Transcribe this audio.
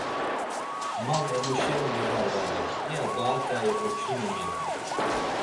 Man emuşen miğarğali, iya daa k̆ai oçinu minon.